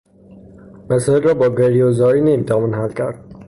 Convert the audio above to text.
مسایل را با گریه و زاری نمیتوان حل کرد.